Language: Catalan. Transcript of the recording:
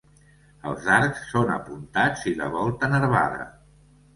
Els arcs són apuntats i la volta nervada.